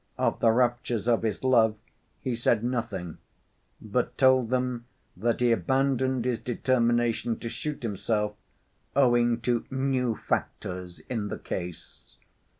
Of the raptures of his love he said nothing, but told them that he abandoned his determination to shoot himself, owing to "new factors in the case."